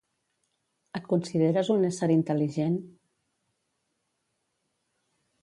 Et consideres un ésser intel·ligent?